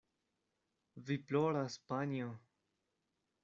Vi ploras, panjo!